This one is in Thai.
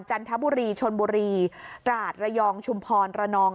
จันทบุรีชนบุรีตราดระยองชุมพรระนอง